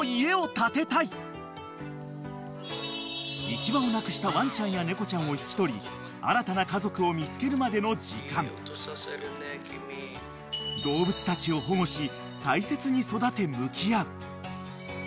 ［行き場をなくしたワンちゃんや猫ちゃんを引き取り新たな家族を見つけるまでの時間動物たちを保護し］